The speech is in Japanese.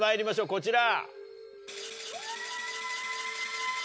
こちら！